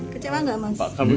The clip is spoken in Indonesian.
kecewa gak mas